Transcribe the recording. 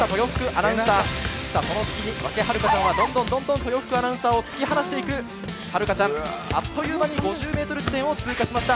そのすきに和氣永佳ちゃんはどんどん豊福アナウンサーをおいていく永佳ちゃん、あっという間に５０ｍ地点を通過しました。